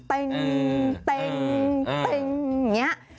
เต้งเต้งเต้งอย่างนี้